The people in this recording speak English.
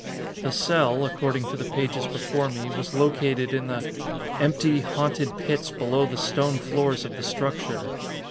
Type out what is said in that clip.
The cell, according to the pages before me, was located in the "empty, haunted pits below the stone floors of the structure...."